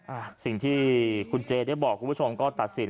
อ่ะสิ่งที่คุณเจได้บอกคุณผู้ชมก็ตัดสิน